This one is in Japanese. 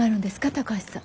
高橋さん。